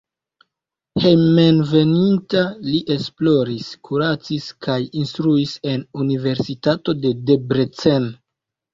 Hejmenveninta li esploris, kuracis kaj instruis en universitato de Debrecen.